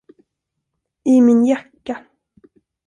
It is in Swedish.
I min jacka.